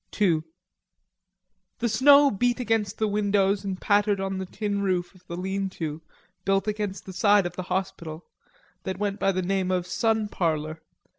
II The snow beat against the windows and pattered on the tin roof of the lean to, built against the side of the hospital, that went by the name of sun parlor.